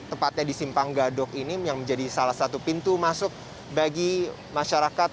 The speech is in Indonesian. tepatnya di simpang gadok ini yang menjadi salah satu pintu masuk bagi masyarakat